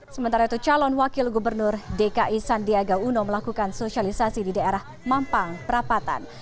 sementara itu calon wakil gubernur dki sandiaga uno melakukan sosialisasi di daerah mampang perapatan